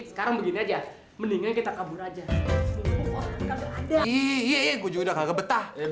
sampai jumpa di video selanjutnya